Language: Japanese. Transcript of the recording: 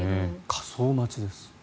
火葬待ちです。